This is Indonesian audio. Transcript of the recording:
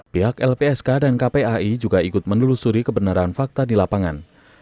pihak lpsk dan kpai juga ikut menelusuri kebenaran fakta di lapangan